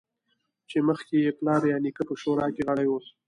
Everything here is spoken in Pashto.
چې مخکې یې پلار یا نیکه په شورا کې غړی و